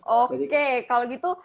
oke kalau gitu